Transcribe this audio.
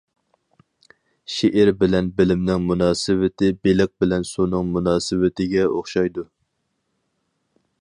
شېئىر بىلەن بىلىمنىڭ مۇناسىۋىتى بېلىق بىلەن سۇنىڭ مۇناسىۋىتىگە ئوخشايدۇ.